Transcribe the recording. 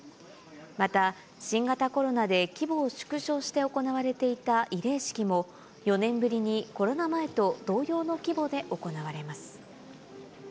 また、新型コロナで規模を縮小して行われていた慰霊式も、４年ぶりにコロナ前と同様の規模で行われます。